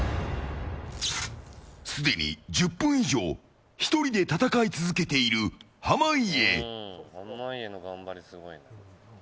すでに１０分以上１人で戦い続けている濱家。